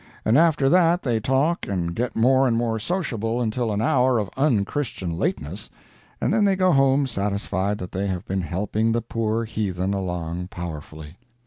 And after that they talk and get more and more sociable until an hour of unchristian lateness, and then they go home satisfied that they have been helping the poor heathen along powerfully.